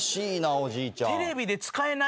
おじいちゃん。